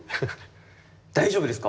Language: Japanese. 大丈夫ですか？